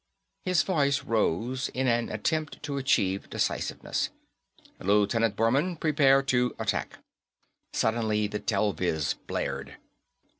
His voice rose in an attempt to achieve decisiveness, "Lieutenant Bormann, prepare to attack." Suddenly, the telviz blared.